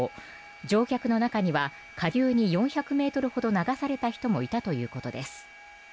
乗客の中には下流に４００ｍほど流された人もいたということです。